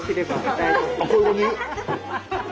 こういう感じ？